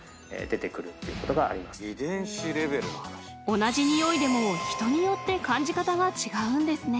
［同じニオイでも人によって感じ方が違うんですね］